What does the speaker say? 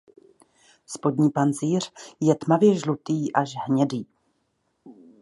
Spodní pancíř je tmavě žlutý až hnědý.